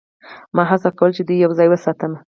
ما هڅه کوله چې دوی یوځای وساتم